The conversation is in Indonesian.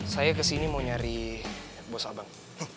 saya kesini mau nyari bos abang